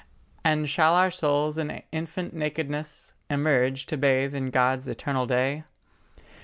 And shall our souls in infant nakedness Emerge to bathe in God's eternal day?